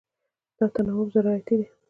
دا تناوب زراعتي دی.